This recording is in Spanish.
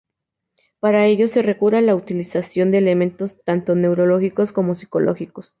Para ello se recurre a la utilización de elementos tanto neurológicos como psicológicos.